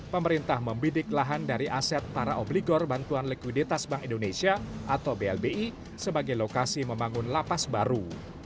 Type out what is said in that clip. pemerintah membidik lahan dari aset para obligor bantuan likuiditas bank indonesia atau blbi sebagai lokasi membangun lapas baru